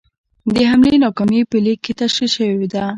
د حملې ناکامي په لیک کې تشرېح شوې ده.